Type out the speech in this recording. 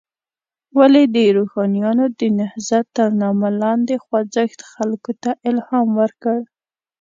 ولې د روښانیانو د نهضت تر نامه لاندې خوځښت خلکو ته الهام ورکړ.